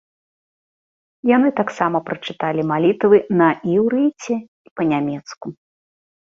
Яны таксама прачыталі малітвы на іўрыце і па-нямецку.